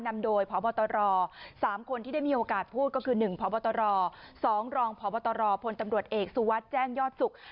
นำโดยพบตร๓คนที่ได้มีโอกาสพูดก็คือ๑พบตร๒รองพบตรพลตำรวจเอกสุวัสดิ์แจ้งยอดสุข